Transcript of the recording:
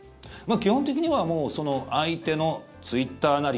基本的には、相手のツイッターなり